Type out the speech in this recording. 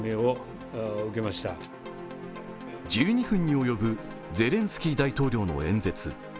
１２分に及ぶゼレンスキー大統領の演説。